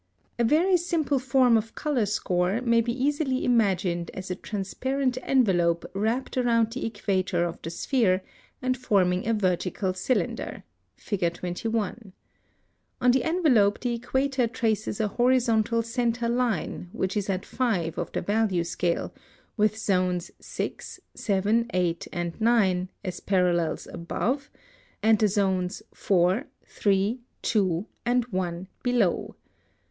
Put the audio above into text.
(134) A very simple form of color score may be easily imagined as a transparent envelope wrapped around the equator of the sphere, and forming a vertical cylinder (Fig. 21). On the envelope the equator traces a horizontal centre line, which is at 5 of the value scale, with zones 6, 7, 8, and 9 as parallels above, and the zones 4, 3, 2, and 1 below.